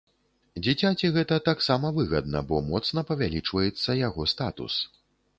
Дзіцяці гэта таксама выгадна, бо моцна павялічваецца яго статус.